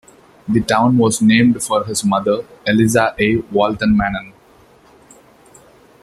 The town was named for his mother, Eliza A. Walton Mannen.